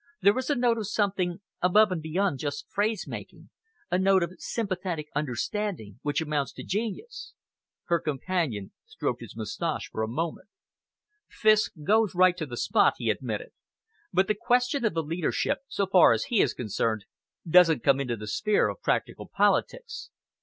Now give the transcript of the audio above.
There is a note of something above and beyond just phrase making a note of sympathetic understanding which amounts to genius." Her companion stroked his moustache for a moment. "Fiske goes right to the spot," he admitted, "but the question of the leadership, so far as he is concerned, doesn't come into the sphere of practical politics.